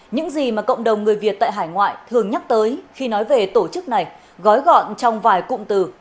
những gì mà cộng đồng người việt tại hải ngoại thường nhắc tới khi nói về tổ chức này gói gọn trong vài cụm từ